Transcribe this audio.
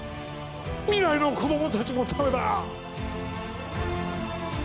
未来の子どもたちのためだ！